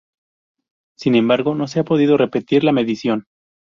Sin embargo, no se ha podido repetir la medición.